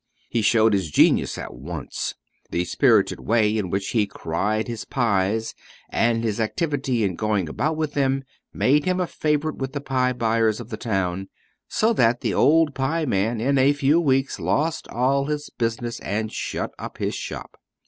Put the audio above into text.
He showed his genius at once. The spirited way in which he cried his pies, and his activity in going about with them, made him a favorite with the pie buyers of the town; so that the old pie man in a few weeks lost all his business, and shut up his shop.